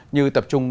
như tập trung